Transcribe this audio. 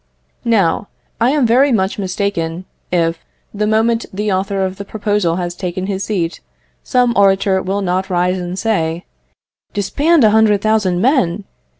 Now I am very much mistaken if, the moment the author of the proposal has taken his seat, some orator will not rise and say "Disband a hundred thousand men!